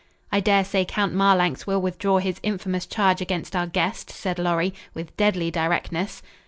"I dare say Count Marlanx will withdraw his infamous charge against our guest," said Lorry, with deadly directness.